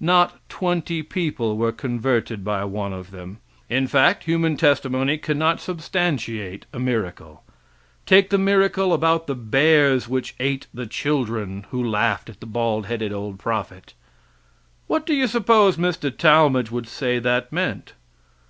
Not twenty people were converted by one of them. In fact, human testimony cannot substantiate a miracle. Take the miracle about the bears which ate the children who laughed at the bald headed old prophet. What do you suppose Mr. Talmage would say that meant?